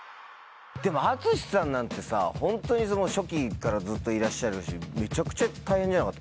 でもＡＴＳＵＳＨＩさんなんてさホントに初期からずっといらっしゃるしめちゃくちゃ大変じゃなかった？